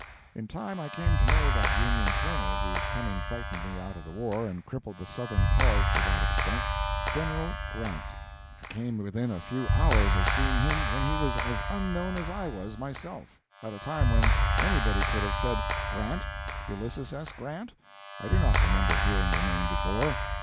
In time I came to know that Union colonel whose coming frightened me out of the war and crippled the Southern cause to that extent General Grant. I came within a few hours of seeing him when he was as unknown as I was myself; at a time when anybody could have said, 'Grant? Ulysses S. Grant? I do not remember hearing the name before.'